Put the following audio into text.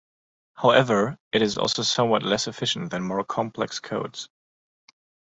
However, it is also somewhat less efficient than more complex codes.